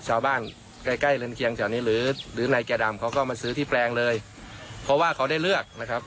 ชาวบ้านใกล้ใกล้เรือนเคียงแถวนี้หรือหรือในแก่ดำเขาก็มาซื้อที่แปลงเลยเพราะว่าเขาได้เลือกนะครับ